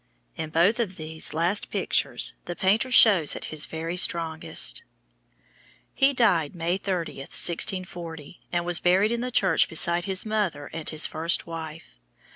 In both of these last pictures the painter shows at his very strongest. He died May 30th, 1640, and was buried in the church beside his mother and his first wife.